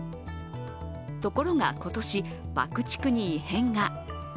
ところが今年、爆竹に異変が。